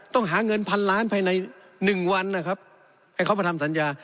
ต้องหาเงินพันล้านภายใน๑วันนะครับให้เขามาทำสัญญา